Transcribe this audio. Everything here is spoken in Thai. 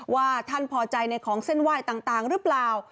ว่าท่านพอใจในของเส้นไหว้ต่างหรือเปล่า